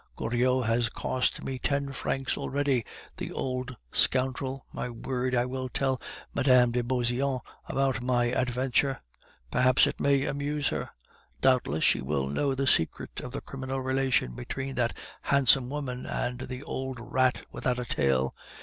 Goriot has cost me ten francs already, the old scoundrel. My word! I will tell Mme. de Beauseant about my adventure; perhaps it may amuse her. Doubtless she will know the secret of the criminal relation between that handsome woman and the old rat without a tail.